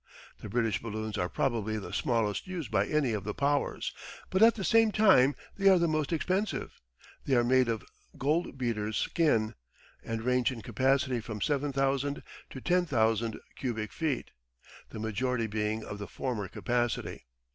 The British balloons are probably the smallest used by any of the Powers, but at the same time they are the most expensive. They are made of goldbeater's skin, and range in capacity from 7,000 to 10,000 cubic feet, the majority being of the former capacity.